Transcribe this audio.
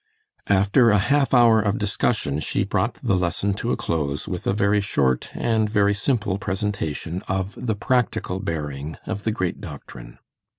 After a half hour of discussion, she brought the lesson to a close with a very short and very simple presentation of the practical bearing of the great doctrine.